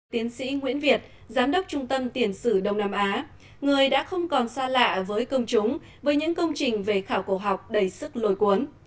tiến sĩ nguyễn việt giám đốc trung tâm tiền sử đông nam á người đã không còn xa lạ với công chúng với những công trình về khảo cổ học đầy sức lôi cuốn